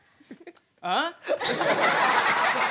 ああ！？